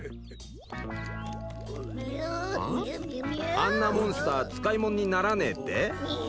あんなモンスター使いもんにならねえって？